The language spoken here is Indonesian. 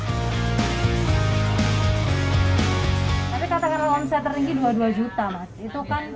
tapi katakanlah omset tertinggi dua puluh dua juta mas